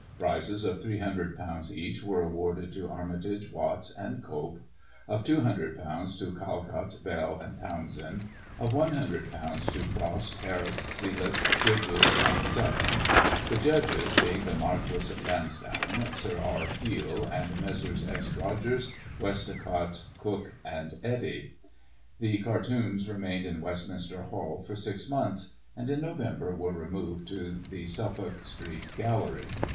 Prizes of ;£^300 each were awarded to Armitage, Watts and Cope ; of ;£'200 to Calcptt, Bell and Townsend; of ;£^ioo to Frost, Harris, Selous, Bridges and Severn; the judges being the Marquis of Lansdowne, Sir R. Peel and. Messrs. S. Rogers, Westmacott, Cook and Etty. The Cartoons remained in Westminster HcJl for 6 months; and, in Nov. were removed to the Suffolk Street Gallery.